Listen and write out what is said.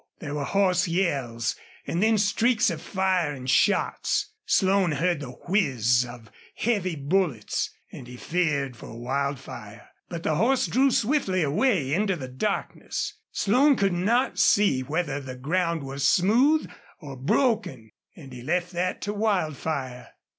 There were hoarse yells and then streaks of fire and shots. Slone heard the whizz of heavy bullets, and he feared for Wildfire. But the horse drew swiftly away into the darkness. Slone could not see whether the ground was smooth or broken, and he left that to Wildfire.